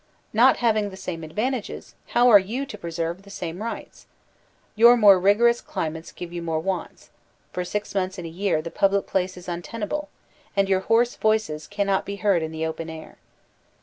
Not having the same advantages, how are you to preserve the same rights ? Your more rigorous climates give you more wants ;♦ for six months in a year the public place is untenable, and your hoarse voices cannot be heard in the open air.